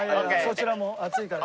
そちらも暑いから。